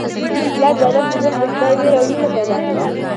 پلار د اولاد په زړه کي د خدای وېره او مینه پیدا کوي.